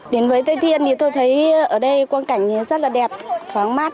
đến với tây thiên thì tôi thấy ở đây quan cảnh rất là đẹp thoáng mát